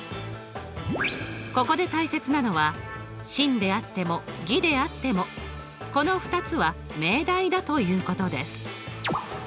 ここで大切なのは真であっても偽であってもこの２つは命題だということです。